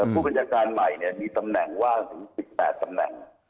ผู้บัญชาการใหม่มีตำแหน่งว่างถึง๑๘ตำแหน่ง